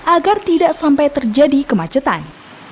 agar tidak sampai terjadi kemacetan